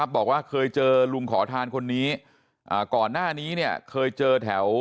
บอกว่าเคยเจอลุงขอทานคนนี้ก่อนหน้านี้เนี่ยเคยเจอแถว